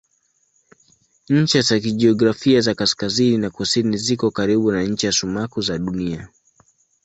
Ncha za kijiografia za kaskazini na kusini ziko karibu na ncha sumaku za Dunia.